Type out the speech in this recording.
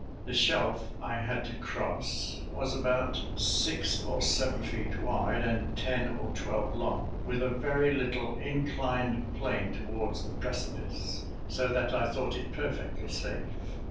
The shelf I had to cross was about six or seven feet wide, and ten or twelve long, with a very little inclined plane towards the precipice, so that I thought it perfectly safe.